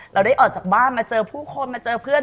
เราได้ออกจากบ้านมาเจอผู้คนมาเจอเพื่อน